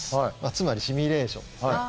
つまりシミュレーションですね。